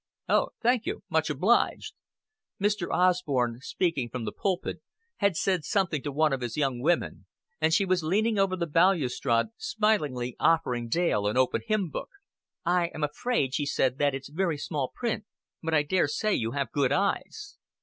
"Oh, thank you. Much obliged." Mr. Osborn, speaking from the pulpit, had said something to one of his young women, and she was leaning over the balustrade, smilingly offering Dale an open hymn book. "I am afraid," she said, "that it's very small print; but I dare say you have good eyes."